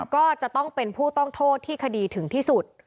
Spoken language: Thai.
ก็จะต้องเป็นผู้ต้องโทษที่คดีถึงที่สุด